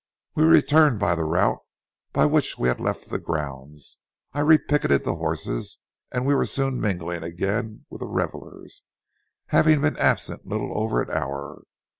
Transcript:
We returned by the route by which we had left the grounds. I repicketed the horses and we were soon mingling again with the revelers, having been absent little over an hour.